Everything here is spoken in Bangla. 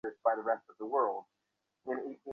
আর কতক্ষণ হাসতে থাকবে?